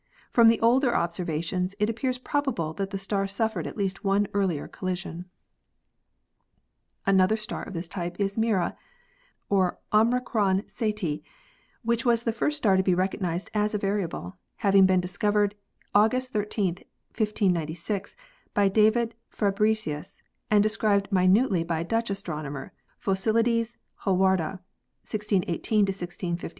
From the older observations it appears probable that the star suffered at least one earlier collision. Another star of this type is Mira, or Omicron Ceti, which was the first star to be recognised as a variable, having been discovered August 13, 1596, by David Fabri cius and described minutely by a Dutch astronomer, Pho cylides Holwarda (1618 1651), in 1639.